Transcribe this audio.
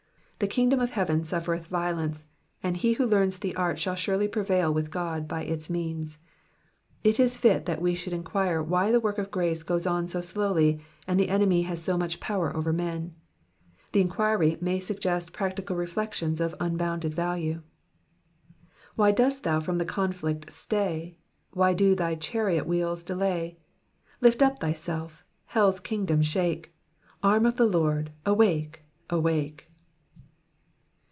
The kingdom of heaven suffereth violence, and he who learns the art shall surely prevail with God by its means. It is fit that we should enquire why the work of ^race goes on so slowly, and the enemy has so much power over men : the inquiry may suggest practical reflections of unbounded value. " Whv dost thou from the coufllct stay ? Why do Ihy chariot wheels delny ? Lift up thyself, heirs kins^dom shake, Arm of the Lord, awake, awake.'